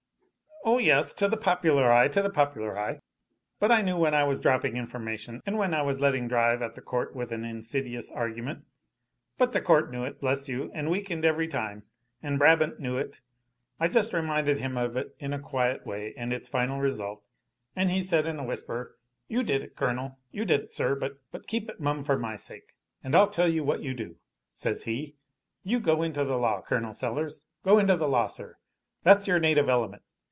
"Oh, yes, to the popular eye, to the popular eye but I knew when I was dropping information and when I was letting drive at the court with an insidious argument. But the court knew it, bless you, and weakened every time! And Braham knew it. I just reminded him of it in a quiet way, and its final result, and he said in a whisper, 'You did it, Colonel, you did it, sir but keep it mum for my sake; and I'll tell you what you do,' says he, 'you go into the law, Col. Sellers go into the law, sir; that's your native element!'